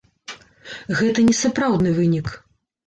Гэта не сапраўдны вынік.